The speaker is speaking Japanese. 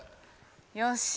よし。